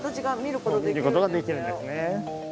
見る事ができるんですね。